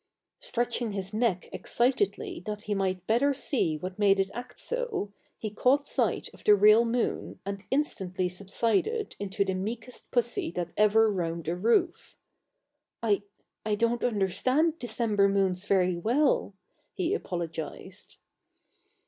Stretching his neck excitedly that he might better see what made it act so, he caught sight of the real moon and instantly subsided into the meekest pussy that ever roamed a roof. "I I don't understand December moons very well," he apologized.